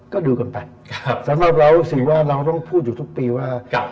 ก็ดูกันไปสำหรับเรารู้สึกว่าเราต้องพูดอยู่ทุกปีว่า